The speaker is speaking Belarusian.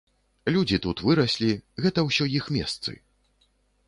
Людзі тут выраслі, гэта ўсё іх месцы.